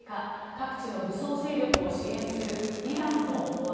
各地の武装勢力を支援するイランの思惑。